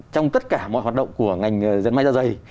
trong tất cả mọi hoạt động của ngành dân may ra dày